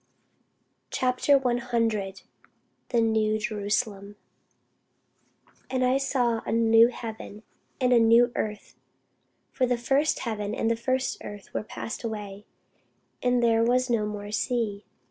CHAPTER 100 THE NEW JERUSALEM AND I saw a new heaven and a new earth: for the first heaven and the first earth were passed away; and there was no more sea.